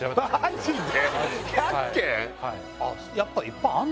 マジで？